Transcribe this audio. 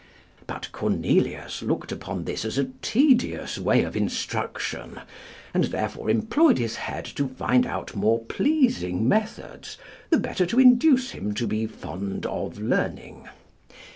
But Cornelius looked upon this as a tedious way of instruction, and therefore employed his head to find out more pleasing methods, the better to induce him to be fond of learning.